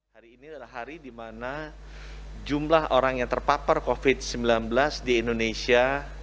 hari ini adalah hari di mana jumlah orang yang terpapar covid sembilan belas di indonesia